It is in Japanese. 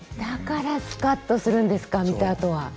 だからスカッとするんですか見たあとは。